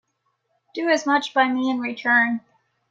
Do as much by me in return.